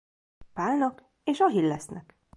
Pálnak és Achillesnek.